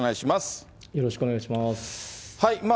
よろしくお願いします。